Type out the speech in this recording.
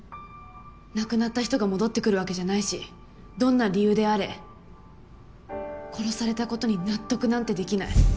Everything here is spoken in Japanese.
亡くなった人が戻ってくるわけじゃないしどんな理由であれ殺されたことに納得なんてできない。